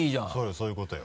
そういうことよ。